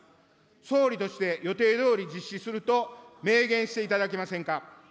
総理として予定どおり実施すると明言していただけませんか。